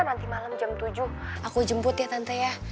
nanti malam jam tujuh aku jemput ya tante ya